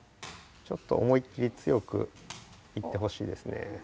ちょっと思いっきり強くいってほしいですね。